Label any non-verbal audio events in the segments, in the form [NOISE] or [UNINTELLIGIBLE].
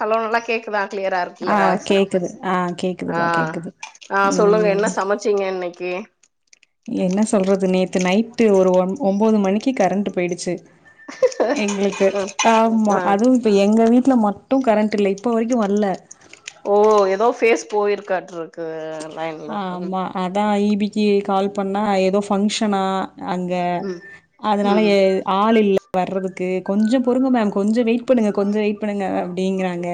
Hello நல்லா கேக்குதா கிளியரா ஆ இருக்குல்ல வாய்ஸு கேக்குது ஆ கேக்குதுப்பா ஆஹ் கேக்குது ஆஹ் சொல்லுங்க ம் என்ன சமச்சீங்க இன்னைக் கே என்ன சொல்றது நேத்து நைட்டு ஒரு ஒன் ஒம்போது மணிக்கி கரண்ட்டு பொயிடுச்சி எங்ளுக்கு ம் ஆமா ஆ அதுவு இப்ப எங்க வீட்ல ம டு கரண்ட் இல்ல இப்பொ வரைக்கு வரல ஓ ஏதோ ஃபேஸ் போயிருக்காட்ருக்கு லைன்ல ம் ஆமா அதா ஈ பி கீ கால் பண்ணா ஏதோ ஃபங்க்ஷனா அங்க ம் அதனால ம் எ ஆள் இல்ல வர்றதுக்கு கொஞ்சொ பொறுங்க மேம் கொஞ்சொ வெயிட் பண்ணுங்க கொஞ்சொ வெயிட் பண்ணுங்க அப்டிங்றாங்க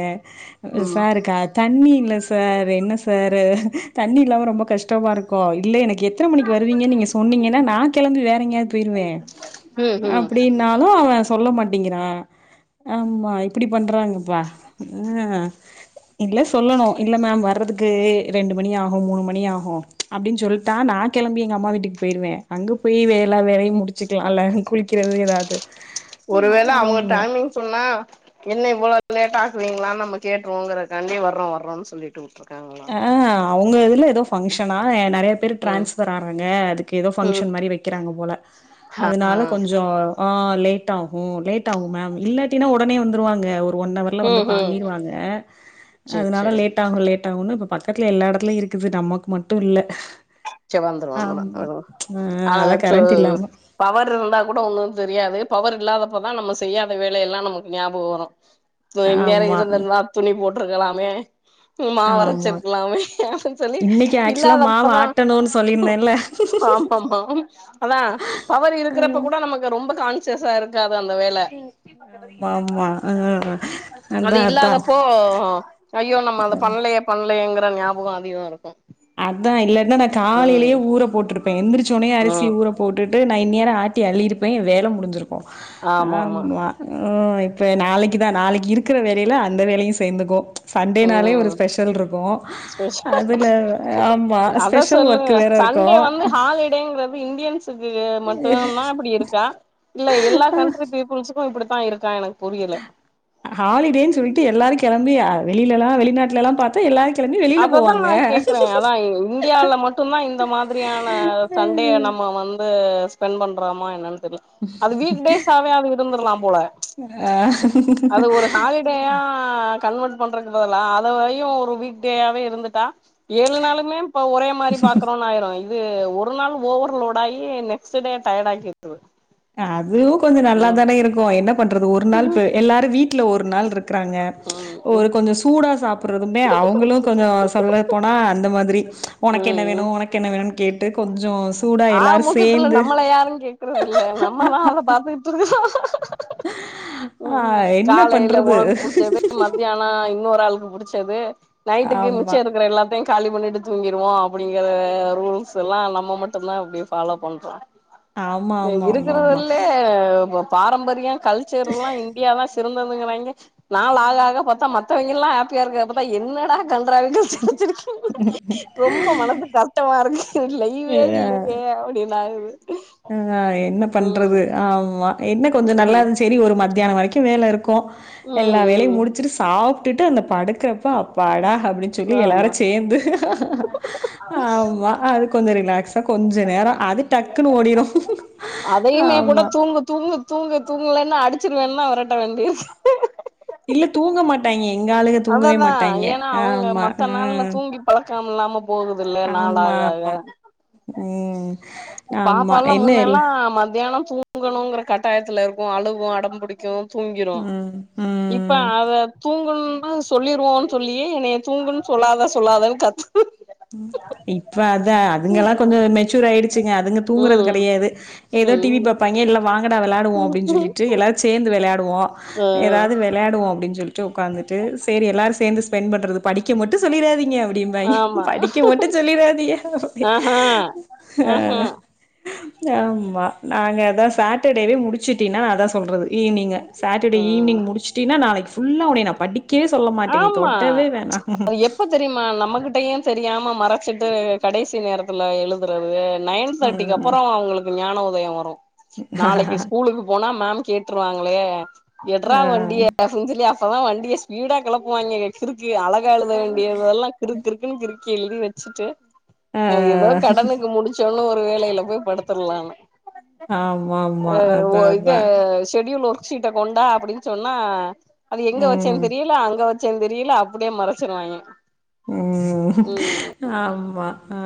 ம் சார் க தண்ணி இல்ல சார் என்ன சாரு தண்ணி இல்லாம ரொம்பொ கஷ்டமாருக்கு இல்ல எனக் எத்ன மணிக் வருவிங்க நீங்க சொன்னீங்கனா நா கெளம்பி வேற எங்கேயாத் பொயிருவே ம் ம் அப்டினால்லு அவெ சொல்ல மாட்டேங்குறா ஆம்மா இப்டி பண்றாங்கப்பா உம் இல்ல சொல்லணு இல்ல மேம் வர்றதுக் க்கு ரெண்டு மணி ஆகு மூணு மணி ஆகு அப்டின் சொல்ட்டா நா கெளம்பி எங்க அம்மா வீட்டுக் பொயிருவே அங்க பொய் வேலா வேலையு முடிச் ச்சிக்கலா இல்ல குளிக்கிறது ஏதாவது ஒருவேள அவங்க ஆமா டைமிங் சொன்னா என்ன இவ்ளோ லேட் ஆக்குவீங்களானு நம்ம கேட்டுருவங்கிறாண்டி வரோ வரோன்ன சொல்லிட்டு வுட்ருக்காங்களா ஆ அவங்க இதுல எதோ ஃபங்க்ஷனா என் நெறைய பேர் ம் டிரான்ஸபர் ஆறாங்க அதுக்கு ஏதோ ம் பங்க்ஷன் மாரி வைக்கிறாங்க போல ஆ ஆ அதனால கொஞ்சு ஆ லேட் ஆகும் லேட் ஆகும் மேம் இல்லாட்டினா ஒடனே வந்துருவாங்க ஒன்னவர்ல வந்து ம் ம் பாண்ணிருவாங்க சேர் அதனால சேரி லேட் ஆகு லேட் ட்ட ஒன்னு இப்ப பக்கத்துல எல்லா இடத்துலயு இருக்குது நமக்கு மட்டு இல்ல சே வந்துரு வந்துரும் ஆமா வரு ஆ அதா சோ கரண்ட் இல்லாம பவர் இருந்தா கூட ஒண்ணு தெரியாது பவர் இல்லாதப்பதா நம்ம செய்யாத வேலையெல்லா நமக்கு ஞாபகோ வரு இன்நேரோ ஆமா இருந்திருந்தா துணி போட் போட்டு இருக்கலாமே மாவு ஆமா வரைச்சிருக்கலாமே அப்பன்னு சொல்லி இன்னைக்கு ஆக்சுவலா மாவு இல்லாதப்பதா ஆட்டணுன்னு சொல்லியிருந்தேன்ல ஆம்மாமா அதா பவர் இருக்கிறப்ப ஆமா கூட நமக்கு ரொம் ரொம்ப கான்சியஸ்ஸா இருக்கா அந்த வேல ஆமா ஆ அது அதா இல்லாதப்போ அதா ஐயோ நம்ம அத பண்ணலையே பண்ணலேங்கிற ஞாபகோ அதிகோ இருக்கு அதா இல்ல ஏன்னா நா காலையிலயே ம் ஊற போட்டுருப்பே எந்திரிச்ச உனயே அரிசி ம் ஊர போட்டுட் டு நா இந்நேரோ ஆட்டி அள்ளிருப்பே ஏ வேலை முடிஞ்சிருக் கு ஆமாமா ஆமா ஓ இப்ப நாளைக்குதா நாளைக்கு இருக்கிற வேலையில அந்த வேலையு சேர்ந்துக்கு சண்டேனாலே ஒரு ம் ஸ்பெஷல்ருக்கு அதுல ஆமா. அத ஸ்பெஷல் ஒர்க் சொல்லுங்க வேற சண்டே இருக்கும். வந்து ஹாலிடேங்கிறது இந்தியா கு மட்டும்தா இப்படி இருக்கா இல்ல எல்லா கண்ட்ரி பீப்புள்ஸ் கு இப்பிடித்தா இருக்கா எனக்கு புரியல ஹாலிடேன்னு சொல்லிட்டு எல்லாருக்கு கெளம்பி வெளியலல்லா வெளிநாட்லல்லா பாத்தா எல்லாருக் அததா கேக்குறே அதா இந்தியால மட்டுந்தா இந்த மாதிரியான சண்டேய நம்ம வந்து ஸ்பெண்ட் பண்றாமா என்னன்னு தெரில அது வீக்டேசாவே அது இருந்துரலா போல ம்ச் அ அது ஒரு ஹாலிடேயா கன்வெர்ட் பண்ரக்கு பதில்லா அதவையு ஒரு வீக் டேயாவே இருந்துட்டா ஏழு நாளுமே இப்ப ஒரே மாரி பாக்கறோனு ஆயிரு து ஒரு நாள் ஓவர்லோட் ஆயி நெக்ஸ்ட் டே டயர்ட் ஆக்கி விட்ரு [UNINTELLIGIBLE] இதுவும் கொஞ்ச நல்லாதானே இருக்கு என்ன பண்றது ஒரு நாள் பு எல்லாரு வீட் ல ஒரு நாள் இருக் க்கறாங்க ம் ம் ஒரு கொஞ்சம் சூடா சாப்பிடுறதுமே அவங்களு கொஞ்ச சொல்ல போனா அந்த மாரி ஒனக்கென்ன ம் வேணு ம் ஒனக்கென்ன வேணு னு கேட்டு கொஞ்ச ஆ மொத்துல நம்மள யாருங்கேக்குறதில்ல நம் ஆமாமா அத பாத்துக்கிட்டு ஆ உம் என்ன காலையில பண்றது? ஒனக்கு புடிச்சது மத்தியான இன்னொரு ஆளுக்கு புடிச்ச ச்சது நைட்டுக்கு மிச்ச ஆமா. இருக்கற எல்லாத்த காலி பண்ணிட்டு தூங்கிருவோ அப்படிங்கிற ரூல்ஸ்லாம் நம்ம மட் டும்தா அப்படி ஃபாலோ பண்றோ ஆமா, ஆமா, ஆமா, ஆமா. இருக்கறதல்லே பாரம்பரிய கல்ச்செர்ல்லா இன்டியாலா சிறந்ததுங்றாங்கெ நாள் ஆக ஆக பாத்தா மத்தவெங்கெல்லா ஹாப்பியா இருக்க பாத்தா என்னடா கன்றாவி [UNINTELLIGIBLE] ரொம்ப மனசு கஷ்டமா இருக்கு இல்ல ஈவே இல்லயே அப்டின்னாகுது ஆஹ் என்ன பண்றது ஆமா என்ன கொஞ்சோ ம் நல்லாருந் சேரி ஒரு ம த்தியானம் வரைக்கும் வேல இருக்கும் எல்லா ம் வேலயும் ம் முடிச்சிட்டு சாப் ட்டு அந்த பாடுக் கறப்ப அப்பாடா அப்டின் சொல்லி எல்லாரு ஆமா சேந்து ஆமா அது கொஞ்சோ ரிலாக்ஸா கொஞ்ச நேரம் அது டக் அதேயுமே கூட தூங்கு தூங்கு தூங்கு தூங்கெலன்னா அடிச்சிருவேன்ல வெரட்ட வேண்டிருக்கு இல்ல தூங்க மாட்டாங்கே எங்க ஆளுகெ தூங்கவே அததா மாட்டாங்கே ஆம்மா ஆஹ் ம்லாமலா [UNINTELLIGIBLE] போகுதல்ல நாள் ஆக ஆக ம் ஆமா பாப்பால்லா என்ன இல்ல முன்னெல்லா மத்தியானம் தூங்கணுங்கற கட்டாயத்துல இருக்கு அழுவும் அடம்புடிக்கும் தூங்கிரும் ம் இப்ப ம் அத தூங்கணுன் னு சொல்லிருவோன்னு சொல்லியே என்னைய தூங்குன் சொல்லாதே சொல்லாதேன்னு கத்து ம் இப்ப அத அதுங்கெல்லா கொஞ்சோ ம் மெச்சூர் ஆய்டிச்சிங்க அதுங்க தூங்குறது ம் கெடையாது ஏதோ டி வி ம் பாப்பாங்கெ இல்ல வாங்கடா வெளாடுவோம் அப்டின் ம் சொல்லிட்டு எல்லாரு சேந்து வெளையாட் டுவோம் ஆ ஏதாவது வெளையாடுவோம் அப்டின் சொல்லிட் ட்டு ஒக்காந்துட்டு சேரி எல்லாரு சேந்து ஸ்பெண்ட் பண்றது படிக்க மட்டும் சொல்லிறாதிங்க அப்டிம்பாங்கெ ஆமா படிக்க மட்டு சொல்லிறாதிங்க ஆஹா ஆஹா ஆஹ் ஆம்மா நாங்க அதான் சாட்டர்டேவே முடிச் சிட்டினா அதான் சொல்றது இ நீங்க சாட்டர்டே ஆ ஈவ்னிங் முடிச்டீனா நாளக் ஃபுல்லா உன்னெயெ நா படிக்கவே சொல் ஆம்மா எப்ப தெரியுமா நம்மகிட்டயும் தெரியாம மறச்சிட்டு கடைசி நேரத்துல எழுதுறது நைன் தேர்ட்டிக்கு ம். அப்புறம் அவுங்களுக்கு ஞான உதயம் வரும் நாளைக்கு ஸ்கூலுக்கு போனா மேம் கேட்டுருவாங்களே எட்றா ஆ. வண்டிய அப்படீன் சொல்லி அப்பதான் வண்டிய ஸ்பீடா கெளப்புவாங்க கிருக் அழகா எழுத வேண்டியதெல்லாம் கிறுக் கிறுக்குன்னு கிறுக்கி எழுதி வச்சிட்டு ஆ ஹ ஏதோ கடனுக்கு முடிச்சோன்னும் ஒரு வேலையில போய் படுத்துடருலான்னு ஆமா ஆமா ஆஹ் ஓ அதா அதா இதெ ஷெடியூல் ஒர்க் சீட்ட கொண்டா அப்படின்னு சொன்னா அது எங்கே ம் வச்சேன்னு தெரியல அங் வச்சேன் தெரில அப்டியே மறைச்சிருவாய்ங்க உம் ஆம்மா அ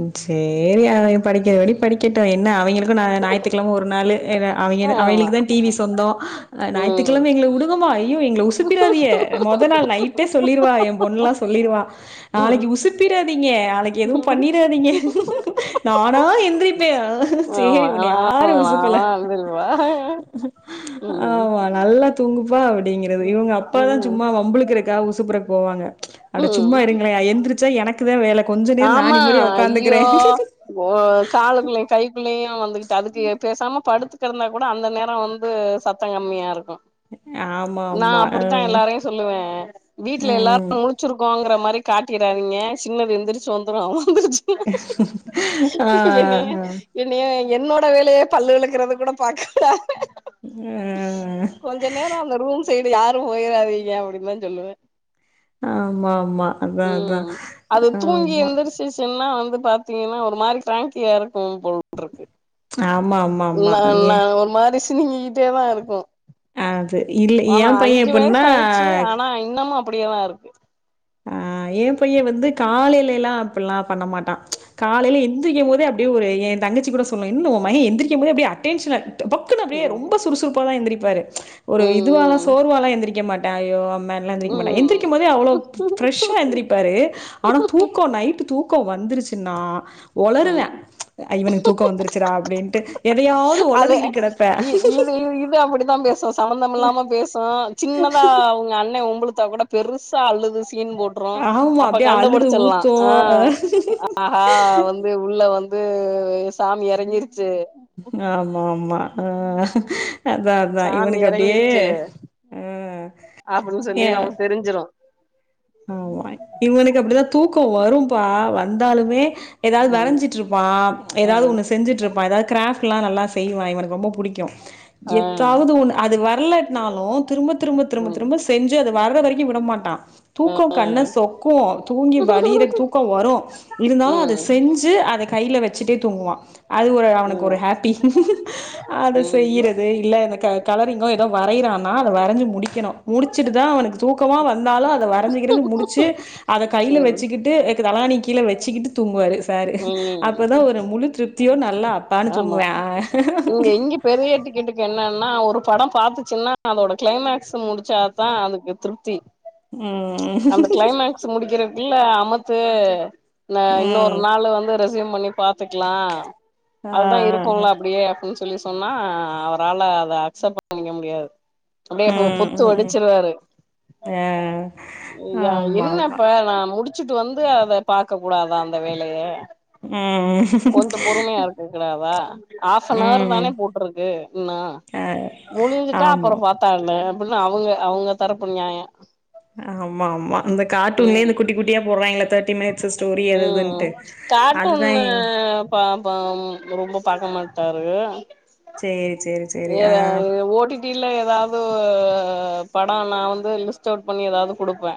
ம் சேரி அவி படிக்கிற வடி படிக்கட்டு என்ன அவிங்கள க்கு நா ஞாயித்துகெழம ஒரு நாளு இவ அவிங்கள ஆமா அவிங்குளுக்கு தா டி வி சொந்தோ அ ம் ஞாய்த்துக்கெழம எங்கள உடுங்கம்மா ஐயோ எ ங்கள உசிப்பிராதிய மொத நாள் நைட்டே சொல்லிருவா எம் பொண்லா சொல்லிருவா ம் நாளைக்கு உசுப்பிராதீங்க நாளைக் எதுவும் பண்ணிறாதீங்க நானா எந்திரிப்பே அ சேரி உன்ன யாரு ஆமா உசுப்பல வந்துருவா ம் ஆமா நல் ல்லா தூங்குவ் ப்பா அப்டிங்கிறது இவுங்க அப்பா தா ம் சும்மா வம்பிளுக்கிறக்கா உசுப்புறக் போவாங்க அட ம் சும்மா இருங்களேயா எந்திரிச்சா எனக்குதா வேலை கொஞ்ச நேர் நா ஆமா நிம்மதியா உக்காந்துக்கிறே ஐயோ குள்ளயு வந்துகிட் அதுக்கு எ பேசாம படுத்து க்கரமே கூட அந்த நேரோ வந்து சத்தோ கம்மியாருக்கு ஆ நா அப்புடித்தா எல்லாரையு சொல்லுவே வீட்ல எல்லாரு ம். முழிச்சிருக்கோங்ற மாரி காட்டிறாதீங்க சின்னது எந்திரிச்சு வந்துரு வந்துருச்சு ஆ ஆ என்னைய என்னைய ஆ என்னோட வேலேயே பல்லு வெலக்கறத கூட பாக்கல அ. கொஞ்ச நேரோ அந்த ரூம் தேடி யாரும் போய்றாதீங்க அப்டின் தா சொல்லுவே ஆமா ஆமா அதா அதா ம் ஆமா பாத்தீங்னா ஒரு மாரி ட்ராங்கியா இருக்கும் போல்ட்ருக்கு ஆமா, ஆமா, ஆமா. ந ஏ நா ஒரு மாரி ஸ் சினுங்கி கிட்டே தா இருக்கூ அது இல்ல ஆனா என் பையன் அஞ்சு வயசு எப்படின்னா ஆய்ட்ச்சி ஆனா இன்னமு அப்டியே தா இரு கு ஆ ஏ பைய வந்து காலைல எல்லா அப்பில்லா பண்ண மாட்டா காலைல எந்திரிக்கம் போதே அப்டே ஒரு எந் தங்கச்சி கூட சொல்லு என்ன உ மக எந்திரிக்கம் போதே அப்டே அட்டென்ஷ்ல பக்குனு அப்டியே ம் ரொம்ப சுறுசுறுப் இப்போதா எந்திரிப்பாரு ஒரு இதுவாலா ம் சோர்வாலா எந்திரிக்க மா டயோம் அந்த மாதிரிலா எந்திரிக்க மாட்டா ம் எந்திரிக்கு போதே அவ்ளோ ஃபிரஸ்ஆ எந்திரிப்பாரு ஆனா தூக்கோ நைட்டு தூக்க வந்துருச்சுன்னா ம் ஒளருவான் ஐ இவனுக்கு தூக்கம் வந்துருச்சுடா அப்டின்ட்டு எதையாவது அத ஒளறிக்கிட்டு கெடப்பே இது இது அப்டிதான் பேசும் சம்பந்தம் இல்லாம பேசும் சின்னதா அவுங்க அண்ணென் ஒம்புளுத் தா கூட பெருசா அழுது சீன் போட்ரும் ஆமா அப்ப அப்டியே அழுது கண்டுபுடிச்சிடலாம் ஹான் ஊத்து ஆஹா வந்து புள்ள வந்து வந்து சாமி எறங்கிருச்சு ஆமா ஆமா ஆஹ் ஆஹ் அதான் அதான் சாமி இவனுக்கு அப்டியே எறங்கிருச்சு உம் அப்டின்னு சொல்லி நமக் தெரிஞ்சிடு ஆமா இவனுக்கு அப்டிதான் தூக்கோம் வரும்பா வந்தாலுமே ஏதாது ம் வரஞ்சிட்டு இருப்பான் ஏதாது ம் ஒன்னு செஞ்சுட்டு இருப்பா ஏதாது கிராஃப்ட்லா நல்லா செய்வான் இவனுக் ரொம்ப புடிக்கு ஆ எத்தாது ஒண்ணு அது வர்லட்ன்னாலும் திரும்ப திரும்ப திரும்ப ம் திரும்ப செஞ்சு அத வர்ற வரைக்கு விடமாட்டான் தூக்கம் ம் கண்ண ம் சொக்கும் தூங்கி வலிரது தூக்கம் வரும் இருந்தாலு அதை ம் செஞ்சு அதை கையில வச்சுட்டே தூங்குவா அது ஒரு அவனுக்கு ஒரு ஹாப்பி அதை ம் செய்யிறது இல்லைந்த கலரிங்கோ ஏதோ வரையறானா அத வரைஞ்சி முடிக்கணு முடிச்சிட்டு தா அவனுக்கு தூக்கமாக வந்தாலு அதை வர உட்காந்து ஆது முடிச்சு அத கையில ம் வச்சுக்கிட்டு தலகாணி கீழே வச்சுக்கிட்டு தூங்குவாரு சாரு ம் அப்பதான் ஒரு முழு திருப்தியோ நல்லா அப்பான்னு ஆமா தூங்குவே ஆ ன் ஒரு படம் பாத்துச்சுன்னா அதோட கிளைமக்ஸ் முடிச்சாதா அதுக்கு திருப்தி ம் அந்த கிளைமேக்ஸ் முடிக்கிற இல்ல அமுத்து ந இன்னொரு ம் நாளு வந்து ரெசூம் பண்ணி பாத்துக்கலாம் ஆ அதுதா ஆ இருக்குலே அப்படியே அப்பிடின்னு சொ சொல்லி சொன்னா அவரால அத அக்செப்ட் பண்ணிக்க முடியாது அப்படியேப்ப ம் புத்து ம் ம் ஒடிச்சிருவாரு ஆ யா ஆமா ஆமா என்னப்பா நாம முடிச்சுட்டு வந்து அத பாக்க கூடாதா அந்த வேலைய ம் கொஞ்ச பொறுமையா இருக்க கூடாதா ஹாப் அன்வர் ம் தானே போட்டிருக்கு இன்னு ஆ முடிஞ்சுட்டா ஆமா அப்புறம் பாத்தா என்ன அப்படின்னு அவங்க அவங்க தரப்பு நியாயம் ஆம்மா ஆம்மா அந்த கார்ட்டுன்லே இந்த குட்டி குட்டியா போடுறாங்கள்ல தார் உம் அதுதான் கார்ட்டூன்னு ஆமா. பாப்பா ரொம்ப பாக்க மாட்டாருக சேரி சேரி சேரி ஆ இல்ல ஏதாவது படம் நா வந்து லிஸ்ட் அவுட் பண்ணி ஏதாவது குடுப்பே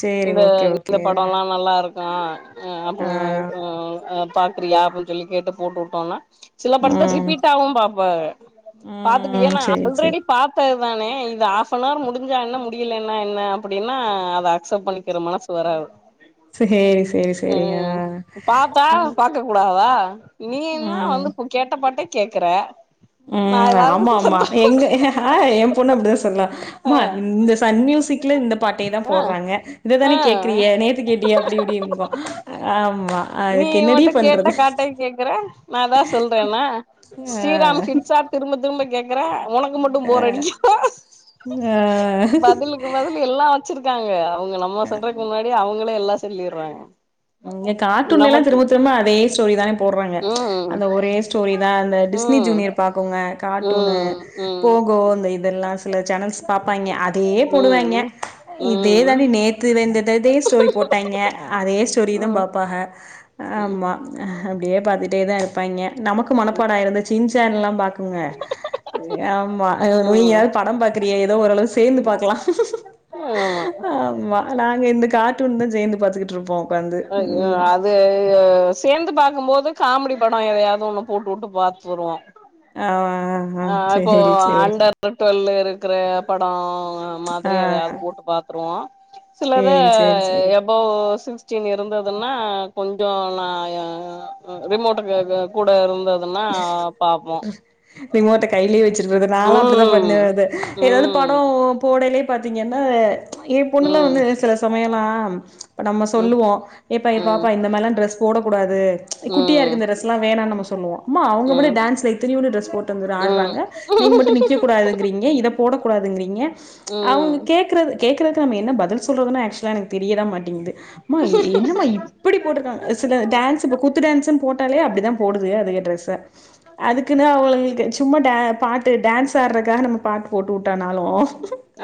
சேரி இந்த ஓகே இந்த ஓகே படோல்லா நல்லா இருக்கு ஆஹ் அப்புற ஆ இருக்கு ம்அப பாக்குறியா அப்படினு சொல்லி கேட்டு போட்டு விட்டோனா சில படத்த ம், ரிப்பீடாவும் பாப்பாக பாத்துட்டு ம். ஏன்னா சரி, சரி. ஆல்ரெடி பார்த்த அதானே இது ஆஃப்னவர் முடிஞ்சா என்ன முடியலேன்ன என்ன அப்படின்னா அதை அக்செப்ட் பண்ணிக்கிற மனசு வராது சரி, சரி, சரி. ஆ. உம் பாத்தா பாக்க கூடாதா ஆ நீ என்ன ம், வந்து கேட்டப்பாட்டே கேக்குற நா உம் ஆமா ஏதாவது ஆமா சொல்ல எங்க ஆ ஹாய் எம்பொண்ணு அப்படிதா சொ சொன்னா அம்மா ஆ இந்த சாரி சன் மியூசிக்ல இந்த பாட்டே தா ஆ போடுறாங்க ஆ இதுதானே கேக்குறிய நேத்து கேட்டிய அப்படி இப்படிம்பா ஆமா நீ அதுக்கு என்னடி பண்றது நான் ஏதாவது சொல்றேன்னா ஸ்ரீராம் ஆ. ஹிட்ஸா திரும்ப திரும்ப கேட் க்கற உனக்கு இத மட்டும் போர் அடிக்க ஆ பதிலுக்கு பதில் எல்லாம் வச்சிருக்காங்க அவங்க நம்ம சொல்றதுக்கு முன்னாடி அவங்க களே எல்லாத்தையும் சொல்லிடுறாங்க இங்கே கார்ட்டூன்ல எல்லாம் நமக்கு திரும்ப திரும்ப அதே ஸ்டோரி தானே போடுறாங்க ம் அந்த ஒரே ஸ்டோரிதான் அந்த டிஸ்னி ம் ஜூனியர் பாக்கோங்க கார்ட்டூனு ம் ம் போகோ இந்த இதெல்லாம் சில சேனல்ஸ் பாப்பாய்ங்க அதே போடுவாங்க ம் இதே ம் தாண்டி நேத்துலந்தே ஸ்டோரி போட்டாங்க அதே ஸ்டோரியதும் ம் பாப்பாக ஆமா அப்படியே பாத்துட்டே தான் இருப்பாங்க நமக்கு மனப்பாடம் ஆயிருது இந்த சின்சான் எல்லாம் பாக்குங்க ஆமா ம் நீயாவுது படம் பாக்குறியே ஏதோ ஓரளவு சேர்ந்து பாக்கலாம் ஆமா ஆமா நாங்க கார்டூன் தான் சேர்ந்து பாத்துக்கிட்டு இருப்போ ஐயோ அது சேர்ந்து பாத் பகும் போது காமெடி படம் எதையாவது ஒண்ணு போட்டு உட்டு பாத்துருவோம் ஆமா ஆஹ் இப்போ அண்டர் த டுவெல் இருக்கிற படம் ஆ மாதிரி அதையாவது போட்டு பாத்துருவோம் சிலத சேரி, சேரி, சேரி. எபோவ் சிக்ஸ்டீன் இருந்ததுன்னா கொஞ்சோ நான் ரிமோட்டுக்கு கூட இருந்தது ன்னா பாப்போம் ரிமோட்ட கைலயே வச் ச்சுக்றது நாலும் அப்படிதான் பண்ணறது ஏதாவது ம் படம் போடலே பாத்தீங்கன்னா ஏ பொண்ணுலா ம் வந்து சில சமயல்லா அம் நம்ம ம் சொல்லுவோ ஏப்ப ஏ ம் பாப்பா இந்த மாரிலா டிரெஸ் போடக் கூடாது து குட்டிய இருக்க இந்த டிரெஸ்லா வேணாம்னு நம்ம சொல்லுவோம் அவங்க மட்டும் ம் டான்ஸ்ல இத்தினியூன்டு டிரஸ் போட்டு வந்து ம் ஆடுறாங்க நீங்க மட்டு நிக்க கூடாதுங்கறீங்க இதை போட கூடாதுங்கிறீங்க ம் ச்சு அவங்க ம் கேக்குறது கேக்குறதுக்கு நம்ம என்ன பதில் சொல்றதுனு அக்சுவலா எனக்கு தெரியத மாட்டேங்குது மா என்னம்மா இப்படி போட்டிருக்காங்க சில டான்ஸ் கூத்து த்து டான்ஸ் போட்டாலே அப்டி தான் போடுது அதுக ட்ரெஸ் ச அதுக்குன்னு அவங்கங்களுக்கு சும்மா ட பாட்டு த்து டான்ஸ் ஆட்றக்காக நம்ம பாட்டு போட்டு வுட்டோனாலும்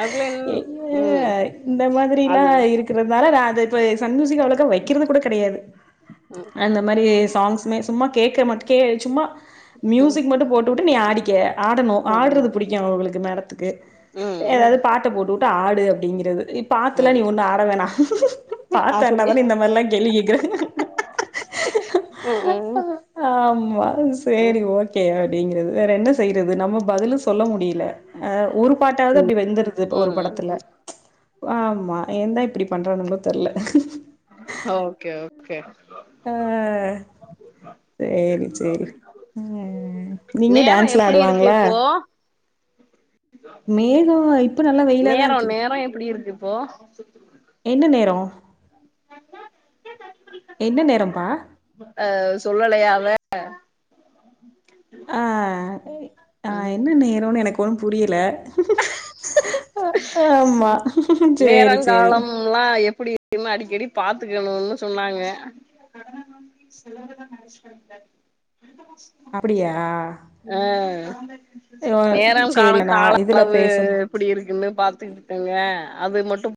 அதுக்குள்ள என் அ ம் இந்த மாதிரிலா அதுக்கு இருக்கறதுனால நான் அத இப்ப சன்மியூசிக் அவுலக்கா வக்கிறது கூட கெடையாது ம் அந்த மாரி சாங்ஸ்மே சும்மா கேக்க மாட் கே சும்மா ம் மியூசிக் மட்டும் போட்டுவுட்டு நீ ஆடி க ஆடணும் ஆமா ஆட்றது புடிக்கும் இவுகளுக்கு மேடத்துக்கு ம் ம் ஏதாது பாட்டு போட்டுவுட்டு ஆடு அப்டிங்கிறது இப்பத்துல நீ ஆமா ஒன்னு ஆட வேணா பாத்த அப்படியே ஆடுனதான இந்த மாறியல் கேள்வி கேக் க ம் ம் மா செரி ம் ஓகே அப்டிங்கிறது வேற என்ன செய்றது நம்ம பதிலும் சொல்ல முடி ல்ல ஆ ஒரு பாட்டாவது அப்டி வெந்துடுது ஒரு ம் ம் படத்துல ச்சு ஆமா என் தா இப்டி பன்றானுகளோ தெர்ல கே ஆ செரி செரி ம் நீங்க நேரோ டான்ஸ்லா எப்படி இருக்கு ஆடுவாங்களா இப்போ மேகம் இப்ப நல்லா வெயிலா தான் இருக்குது போ என்ன நேரோ என்ன நேரம்பா அ சொல்லலையா அவ ஆ அ ஆஎன்ன நேருன்னு எனக் ஒண்ணு புரியல ஆமா செரி செரி மா அடிக்கடி பாத்துக்கணுன்னு சொன்னாங்க அப்டியா அ ஓ நேரோ சேரி காலம் நா கால இதுல அளவு பேசும் எப்டி இருக்குன்னு பாத்துக்கிட்டுங்க அது மட்டும்